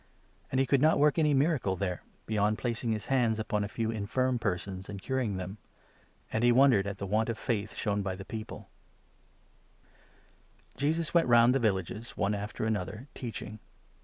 And he could not work any miracle there, beyond placing 5 his hands upon a few infirm persons, and curing them ; and he wondered at the want of faith shown by the people. 6 The Mission Jesus went round the villages, one after another, of the twelve teaching.